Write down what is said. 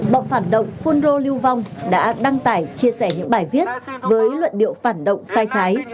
bọn phản động phunro lưu vong đã đăng tải chia sẻ những bài viết với luận điệu phản động sai trái